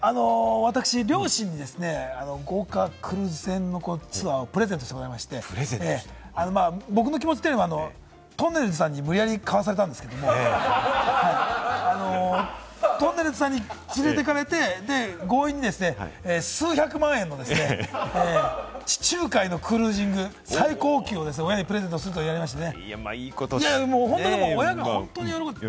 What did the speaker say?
私、両親に豪華クルーズ船のツアーをプレゼントしたことがありまして、僕の気持ちというのは、とんねるずさんに無理やり買わされたんですけれども、とんねるずさんに連れて行かれて、強引に数百万円の地中海のクルージング最高級のを親にプレゼントすることになりまして。